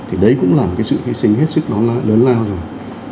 thì đấy cũng là một sự hy sinh hết sức lớn lao rồi